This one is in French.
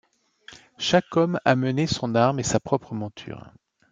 Chaque homme amenait son arme et sa propre monture.